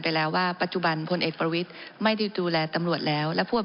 มีผู้ประท้วงอีกแล้วครับ